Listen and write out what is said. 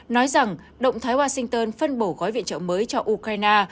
nói rằng động thái washington phân bổ gói viện trợ mới cho ukraine